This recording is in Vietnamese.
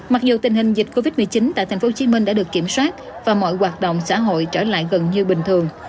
mặc dù tình hình dịch covid một mươi chín tại thành phố hồ chí minh đã được kiểm soát và mọi hoạt động xã hội trở lại gần như bình thường